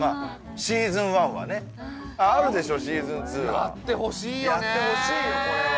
やってほしいよこれは。